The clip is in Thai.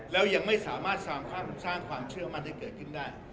แล้วยังไม่สามารถสร้างความเชื่อมั่นให้เกิดขึ้นได้